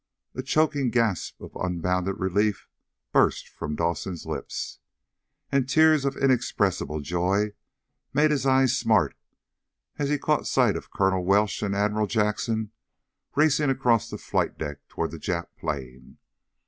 A choking gasp of unbounded relief burst from Dawson's lips. And tears of inexpressible joy made his eyes smart as he caught sight of Colonel Welsh and Admiral Jackson racing across the flight deck toward the Jap plane.